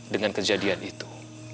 dengan kejadian itu